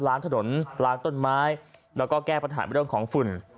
ล้างถนนล้างต้นไม้แล้วก็แก้ปัญหาเรื่องของฝุ่น